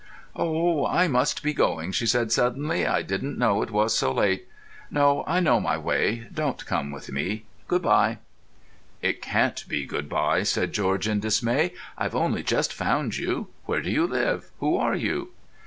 "Oh, I must be going," she said suddenly. "I didn't know it was so late. No, I know my way. Don't come with me. Good bye." "It can't be good bye," said George in dismay. "I've only just found you. Where do you live? Who are you?"